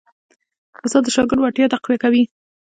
استاد د شاګرد وړتیا تقویه کوي.